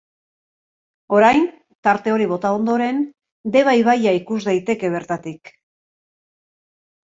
Orain, tarte hori bota ondoren, Deba ibaia ikus daiteke bertatik.